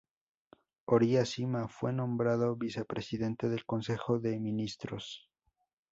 Horia Sima fue nombrado vicepresidente del Consejo de Ministros.